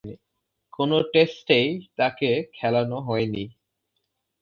কোন টেস্টেই তাকে খেলানো হয়নি।